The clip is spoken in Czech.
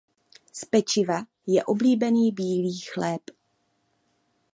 Z pečiva je oblíbený bílý chléb.